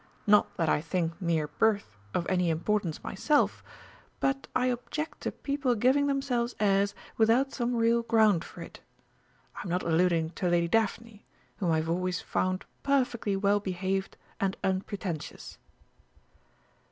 Not that I think mere birth of any importance myself, but I object to people giving themselves airs without some real ground for it. I am not alluding to Lady Daphne, whom I have always found perfectly well behaved and unpretentious."